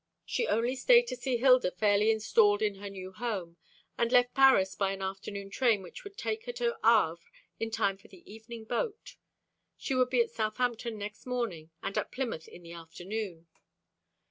She only stayed to see Hilda fairly installed in her new home, and left Paris by an afternoon train which would take her to Havre in time for the evening boat. She would be at Southampton next morning, and at Plymouth in the afternoon.